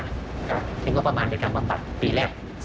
เลี้ยงว่าประมาณในการบำบัดปีแรก